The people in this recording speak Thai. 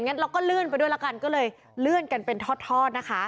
เราก็เลื่อนไปด้วยละกันก็เลยเลื่อนกันเป็นทอดนะคะ